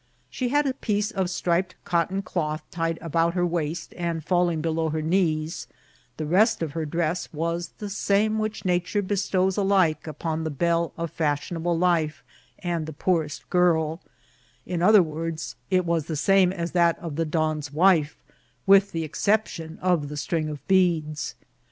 She had a piece of striped cotton cloth tied around her waist, and falling below her knees ; the rest of her dress was the same which Nature bestows alike upon the belle of fashionable life and the poorest girl ; in other words, it was the same as that of the don's wife, with the exception of the string of beads.